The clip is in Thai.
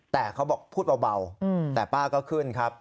แต่เขาบอกพูดเบาแต่ป้าก็ขึ้นครับ